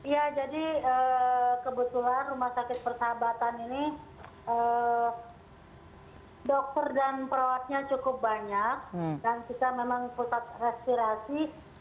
ya jadi kebetulan rumah sakit persahabatan ini dokter dan perawatnya cukup banyak dan kita memang pusat respirasi